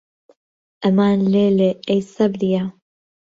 ئەمان لێلێ ئەی سەبرییە